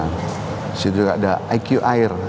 di situ juga ada iq air